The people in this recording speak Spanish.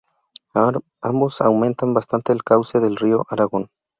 Ambos aumentan bastante el cauce del río Aragón.